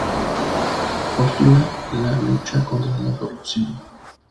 Postula la lucha contra la corrupción.